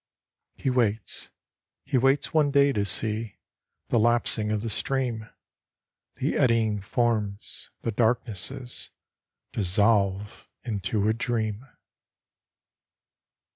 He waits. He waits one day to see The lapsing of the stream, The eddying forms, the darknesses, Dissolve into a dream.